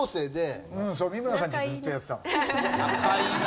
仲いいな！